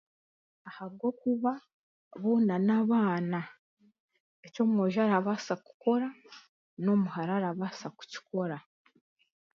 Ahabw'okuba boona n'abaana, eky'omwoojo arabaasa kukora, n'omuhara arabaasa kukora.